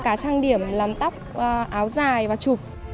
cả trang điểm làm tóc áo dài và chụp